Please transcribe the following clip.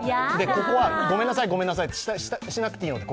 ここはごめんなさい、ごめんなさいってしなくていいので。